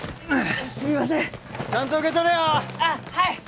あっはい！